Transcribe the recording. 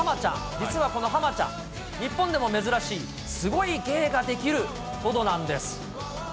実はこのハマちゃん、日本でも珍しいすごい芸ができるトドなんです。